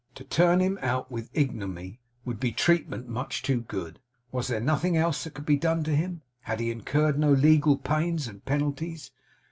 To turn him out with ignominy would be treatment much too good. Was there nothing else that could be done to him? Had he incurred no legal pains and penalties?